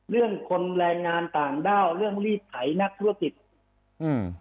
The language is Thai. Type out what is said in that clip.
เรื่องคนแรงงานต่างด้าวเรื่องรีดไถนักธุรกิจอืม